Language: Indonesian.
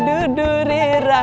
mimin digeris pisah